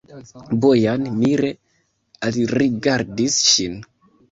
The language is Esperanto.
Bojan mire alrigardis ŝin.